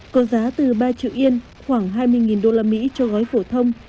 có giá từ ba triệu yên khoảng hai mươi usd cho gói phổ thông